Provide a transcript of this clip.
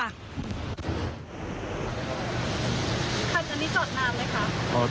คันนี้จอดน้ำเลยค่ะ